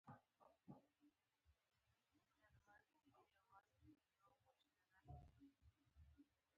د هوټلونو والا!